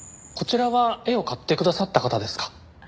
こちらは絵を買ってくださった方ですか？